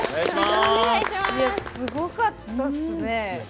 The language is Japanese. すごかったっすね。